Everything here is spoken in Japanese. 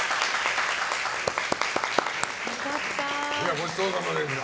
ごちそうさまでした。